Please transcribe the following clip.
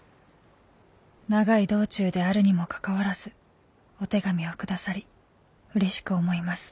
「長い道中であるにもかかわらずお手紙を下さりうれしく思います。